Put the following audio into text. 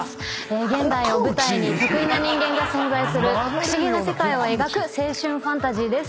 現代を舞台に特異な人間が存在する不思議な世界を描く青春ファンタジーです。